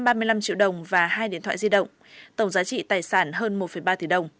ba mươi năm triệu đồng và hai điện thoại di động tổng giá trị tài sản hơn một ba tỷ đồng